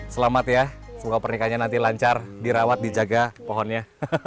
selamat ya semoga pernikahannya nanti lancar dirawat dijaga pohonnya